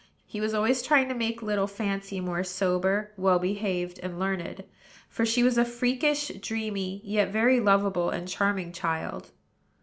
He was always trying to make little Fancy more sober, well behaved, and learned; for she was a freakish, dreamy, yet very lovable and charming child.